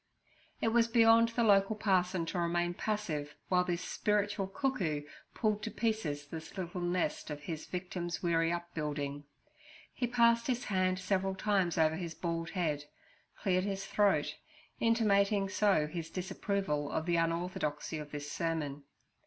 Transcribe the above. It was beyond the local parson to remain passive while this spiritual cuckoo pulled to pieces this little nest of his victim's weary upbuilding. He passed his hand several times over his bald head, cleared his throat, intimating so his disapproval of the unorthodoxy of this sermon.